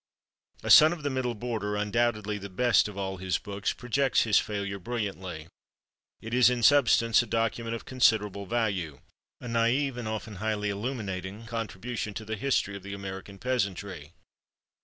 "A Son of the Middle Border," undoubtedly the best of all his books, projects his failure brilliantly. It is, in substance, a document of considerable value—a naïve and often highly illuminating contribution to the history of the American peasantry.